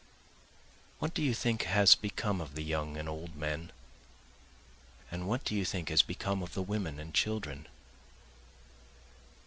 What do you think has become of the young and old men? And what do you think has become of the women and children?